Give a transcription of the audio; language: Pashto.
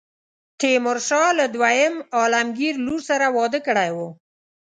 تیمورشاه له دوهم عالمګیر لور سره واده کړی وو.